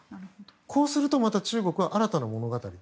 こうすると中国はまた新たな物語。